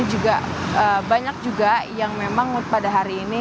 melakukan wisata bersama keluarga ke tempat tempat wisata